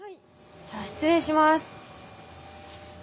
じゃあ失礼します。